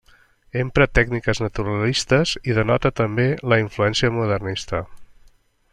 Empra tècniques naturalistes i denota també la influència modernista.